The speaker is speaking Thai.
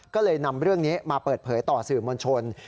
ก็เลยนำเรื่องนี้มาเปิดเผยต่อสื่อมวลชน